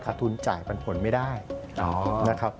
ขาดทุนจ่ายปัญหาผลไม่ได้นะครับ